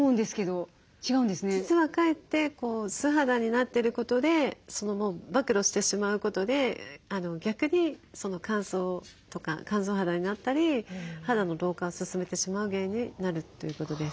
実はかえって素肌になってることで曝露してしまうことで逆に乾燥とか乾燥肌になったり肌の老化を進めてしまう原因になるということです。